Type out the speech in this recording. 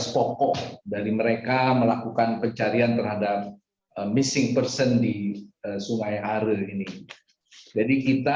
proses pencarian eril telah menyebut